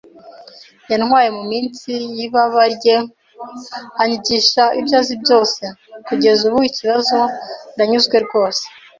Yantwaye munsi y’ibaba rye anyigisha ibyo azi byose. Kugeza ubu iki kibazo, ndanyuzwe rwose.